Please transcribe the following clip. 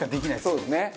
そうですね。